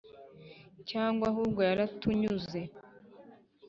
cyangwa ahubwo, yaratunyuze;